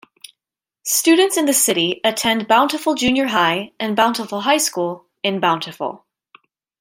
Students in the city attend Bountiful Junior High and Bountiful High School in Bountiful.